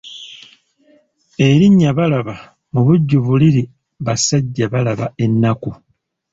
Erinnya Balaba mubujjuvu liri Basajjabalaba ennaku.